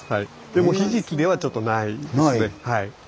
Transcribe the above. でもヒジキではちょっとないですね。